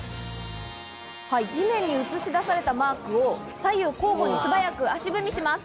地面に映し出されたマークを左右交互に素早く足踏みします。